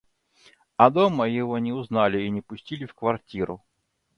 А дома его не узнали и не пустили в квартиру.